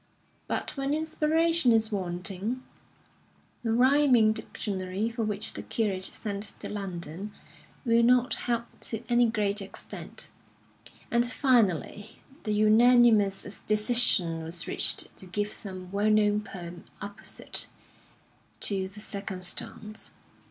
But when inspiration is wanting, a rhyming dictionary, for which the curate sent to London, will not help to any great extent; and finally the unanimous decision was reached to give some well known poem apposite to the circumstance.